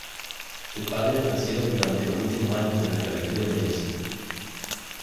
Sus padres nacieron durante los últimos años de la esclavitud en Tennessee.